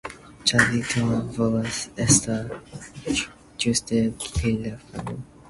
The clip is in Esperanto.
Ĉar vi tion volas, estas ĝuste ke li falu.